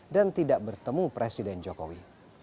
dan tidak bertemu presiden jokowi